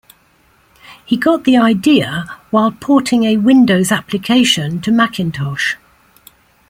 He got the idea while porting a Windows application to Macintosh.